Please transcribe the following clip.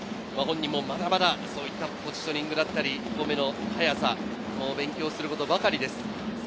本人もまだまだそういったポジショニングだったり、一歩目の速さ、勉強することばかりです。